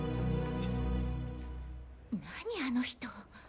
何あの人。